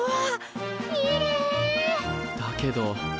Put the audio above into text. だけど。